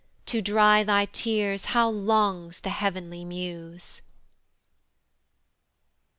To dry thy tears how longs the heav'nly muse!